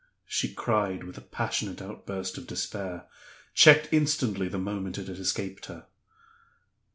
she cried, with a passionate outburst of despair checked instantly the moment it had escaped her.